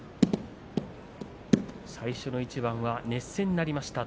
最初の一番は熱戦になりました。